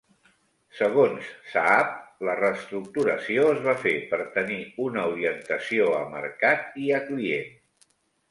Segons Saab, la reestructuració es va fer per tenir una orientació a mercat i a client.